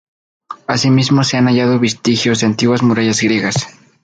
Así mismo se han hallado vestigios de antiguas murallas griegas.